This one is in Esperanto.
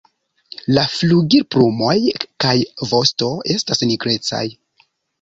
La flugilplumoj kaj vosto estas nigrecaj.